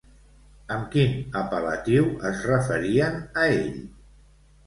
Amb quin apel·latiu es referien a ell?